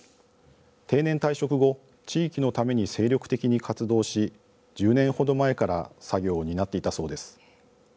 定年退職後地域のために精力的に活動し１０年程前から作業を担っていたそうです。